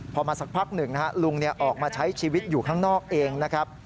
พอมาสักพักหนึ่งนะฮะลุงออกมาใช้ชีวิตอยู่ข้างนอกเองนะครับ